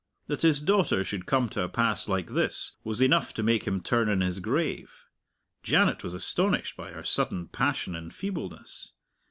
That his daughter should come to a pass like this was enough to make him turn in his grave. Janet was astonished by her sudden passion in feebleness.